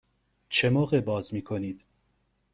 چه موقع باز می کنید؟